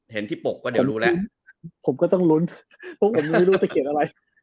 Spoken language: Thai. เห็นที่ปกก็เดี๋ยวรู้แล้วผมก็ต้องลุ้นพวกผมไม่รู้จะเขียนอะไร